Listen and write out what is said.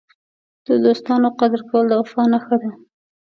د دوستانو قدر کول د وفا نښه ده.